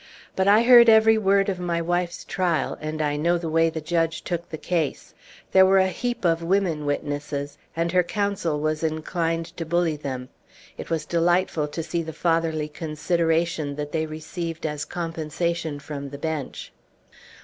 But I heard every word of my wife's trial, and I know the way the judge took the case. There were a heap of women witnesses, and her counsel was inclined to bully them; it was delightful to see the fatherly consideration that they received as compensation from the bench."